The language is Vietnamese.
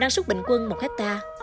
năng suất bình quân một hectare